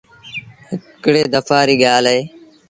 هڪڙي دپآ ري ڳآل اهي۔